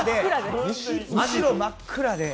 真っ暗で。